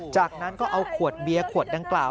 จากนั้นก็เอาขวดเบียร์ขวดดังกล่าว